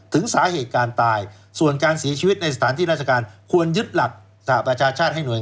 คนเป็นพ่อแม่ต้องเสียใจถูกไหม